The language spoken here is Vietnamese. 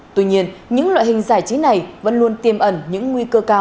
tuy nhiên những loại hình giải trí này vẫn luôn tiêm ẩn những nguy cơ cao về cháy nổ